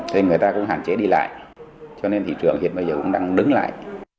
nên người ta cũng hạn chế đi lại cho nên thị trường hiện bây giờ cũng đang đứng lại